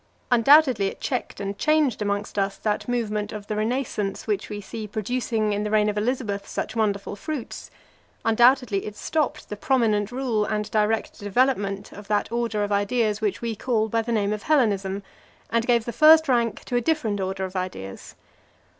Undoubtedly it checked and changed amongst us that movement of the Renascence which we see producing in the reign of Elizabeth such wonderful fruits; undoubtedly it stopped the prominent rule and direct development of that order of ideas which we call by the name of Hellenism, and gave the first rank to a different order of ideas.